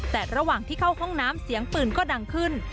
แต่ระหว่างที่เข้าห้องน้ำเสียงปืนก็ดังขึ้น